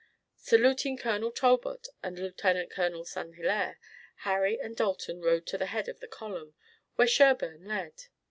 Saluting Colonel Talbot and Lieutenant Colonel St. Hilaire, Harry and Dalton rode to the head of the column, where Sherburne led.